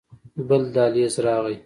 بل دهليز راغى.